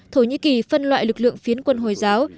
thổ nhĩ kỳ phân loại lực lượng phiến quân hồi giáo